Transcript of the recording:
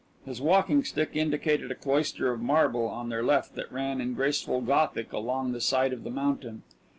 His walking stick indicated a cloister of marble on their left that ran in graceful Gothic along the side of the mountain.